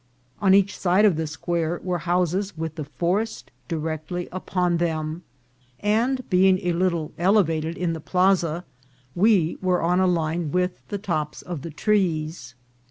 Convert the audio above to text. On each side of the square were houses with the forest di rectly upon them ; and, being a little elevated in the plaza, we were on a line with the tops of the trees.